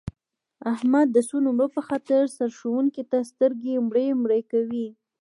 د احمد د څو نمرو په خاطر سرښوونکي ته سترګې مړې مړې کوي.